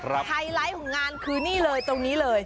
ไฮไลท์ของงานคือนี่เลยตรงนี้เลย